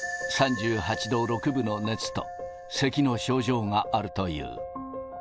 ３８度６分の熱と、せきの症状があるという。